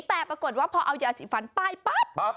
แต่ปรากฏว่าพอเอายาสีฟันป้ายปั๊บ